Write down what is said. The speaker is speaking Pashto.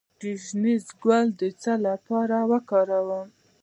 د ګشنیز ګل د څه لپاره وکاروم؟